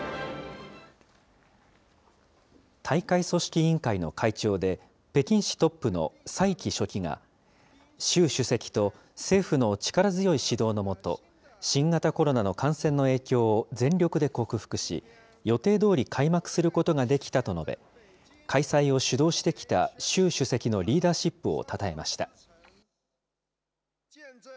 大会組織委員会の会長で、北京市トップの蔡奇書記が、習主席と政府の力強い指導の下、新型コロナの感染の影響を全力で克服し、予定どおり開幕することができたと述べ、開催を主導してきた習主席のリーダーシップをたたえ